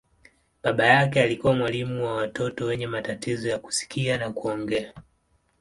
Baba yake alikuwa mwalimu wa watoto wenye matatizo ya kusikia na kuongea.